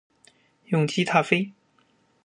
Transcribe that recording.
永雏塔菲